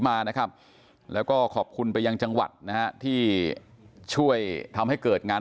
มานะครับแล้วก็ขอบคุณไปยังจังหวัดนะฮะที่ช่วยทำให้เกิดงาน